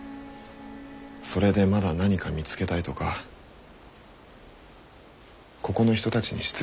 それでまだ何か見つけたいとかここの人たちに失礼です。